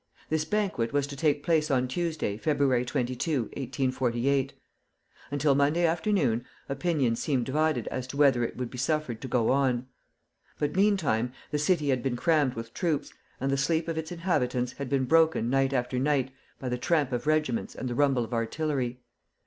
This banquet was to take place on Tuesday, Feb. 22, 1848. Until Monday afternoon opinions seemed divided as to whether it would be suffered to go on. But meantime the city had been crammed with troops, and the sleep of its inhabitants had been broken night after night by the tramp of regiments and the rumble of artillery.